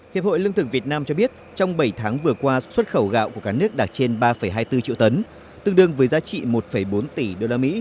hiệp hội lương thực việt nam cho biết trong bảy tháng vừa qua xuất khẩu gạo của cả nước đạt trên ba hai mươi bốn triệu tấn tương đương với giá trị một bốn tỷ usd